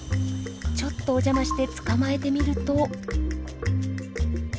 ちょっとお邪魔して捕まえてみると。